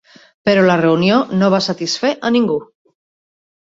Però la reunió no va satisfer a ningú.